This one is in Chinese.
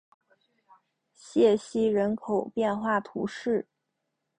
谢西人口变化图示